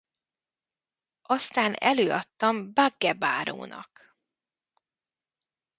Aztán előadtam Bagge bárónak.